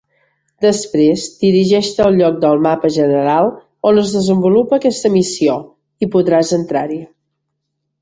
Després dirigeix-te al lloc del mapa general on es desenvolupa aquesta missió i podràs entrar-hi.